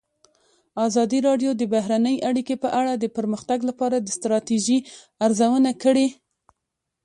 ازادي راډیو د بهرنۍ اړیکې په اړه د پرمختګ لپاره د ستراتیژۍ ارزونه کړې.